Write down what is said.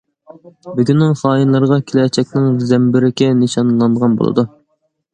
بۈگۈننىڭ خائىنلىرىغا كېلەچەكنىڭ زەمبىرىكى نىشانلانغان بولىدۇ!